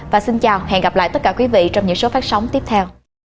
và xin chào hẹn gặp lại tất cả quý vị trong những số phát sóng tiếp theo